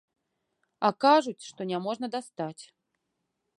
А кажуць, што няможна дастаць.